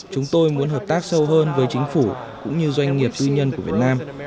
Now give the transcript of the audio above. chúng tôi muốn hợp tác sâu hơn với chính phủ cũng như doanh nghiệp tư nhân của việt nam